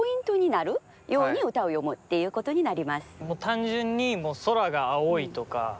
単純にもう「空が青い」とか。